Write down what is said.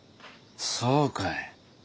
そうかい。